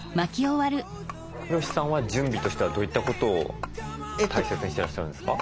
ヒロシさんは準備としてはどういったことを大切にしてらっしゃるんですか？